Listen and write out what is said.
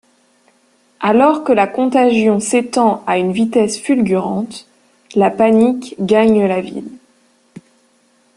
Alors que la contagion s’étend à une vitesse fulgurante, la panique gagne la ville.